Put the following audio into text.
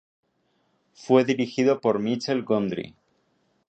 Fue dirigido por Michel Gondry.